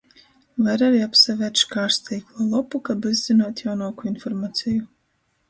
Var ari apsavērt škārsteikla lopu, kab izzynuot jaunuokū informaceju.